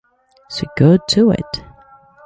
So go to it.